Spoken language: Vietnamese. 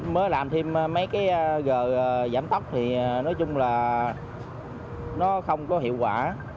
mới làm thêm mấy cái gờ giảm tốc thì nói chung là nó không có hiệu quả